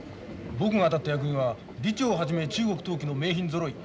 僕が当たった役員は李朝をはじめ中国陶器の名品ぞろい。